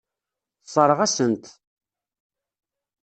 Tessṛeɣ-asen-t.